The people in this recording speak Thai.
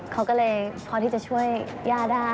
เขาก็เลยพอที่จะช่วยย่าได้